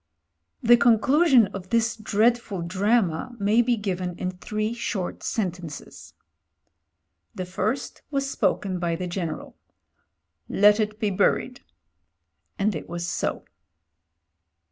•■••• The conclusion of this dreadful drama may be given in three short sentences. The first was spoken by the General. '*Let it be buried." And it was so.